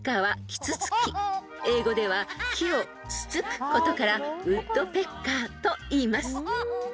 ［英語では木をつつくことからウッドペッカーといいます］